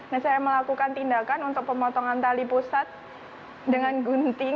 dan saya melakukan tindakan untuk pemotongan tali pusat dengan gunting